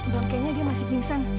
bang kayaknya dia masih pingsan